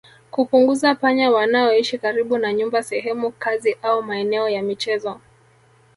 Kupunguza panya wanaoishi karibu na nyumba sehemu kazi au maeneo ya michezo